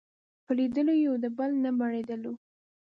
په لیدلو یو د بل نه مړېدلو